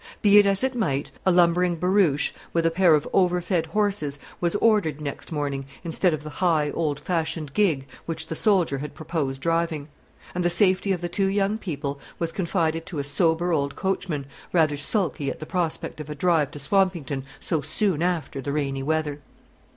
Be it as it might, a lumbering barouche, with a pair of over fed horses, was ordered next morning, instead of the high, old fashioned gig which the soldier had proposed driving; and the safety of the two young people was confided to a sober old coachman, rather sulky at the prospect of a drive to Swampington so soon after the rainy weather.